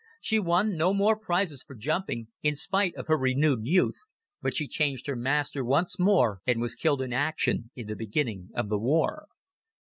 She won no more prizes for jumping, in spite of her renewed youth, but she changed her master once more and was killed in action in the beginning of the war.